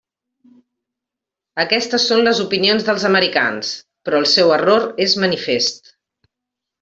Aquestes són les opinions dels americans; però el seu error és manifest.